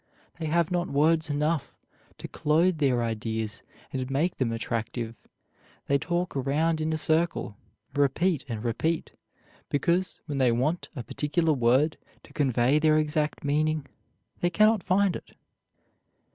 They have not words enough to clothe their ideas and make them attractive. They talk around in a circle, repeat and repeat, because, when they want a particular word to convey their exact meaning, they cannot find it.